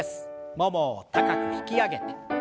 ももを高く引き上げて。